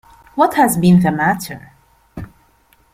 What has been the matter?